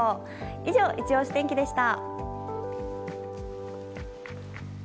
以上、いちオシ天気でした。